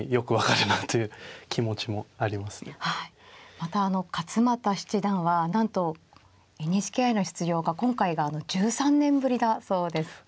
また勝又七段はなんとＮＨＫ杯の出場が今回が１３年ぶりだそうです。